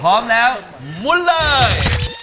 พร้อมแล้วมุนเลย